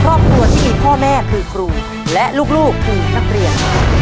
ครอบครัวที่มีพ่อแม่คือครูและลูกคือนักเรียน